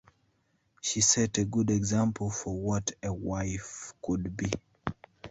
She set a good example for what a wife could be.